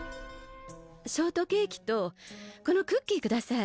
ショートケーキとこのクッキーください。